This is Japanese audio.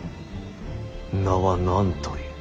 名は何という。